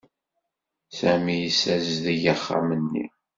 Sami yessazdeg axxam-nni.